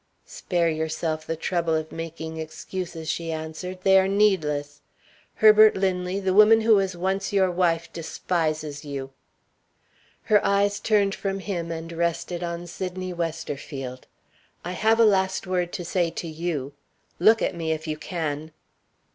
"Spare yourself the trouble of making excuses," she answered; "they are needless. Herbert Linley, the woman who was once your wife despises you." Her eyes turned from him and rested on Sydney Westerfield. "I have a last word to say to you. Look at me, if you can."